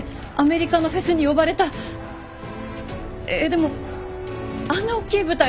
でもあんなおっきい舞台